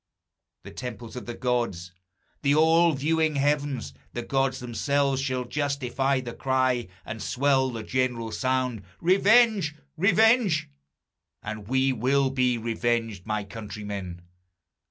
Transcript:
The temples of the gods, the all viewing heavens, The gods themselves, shall justify the cry, And swell the general sound, Revenge! Revenge! And we will be revenged, my countrymen!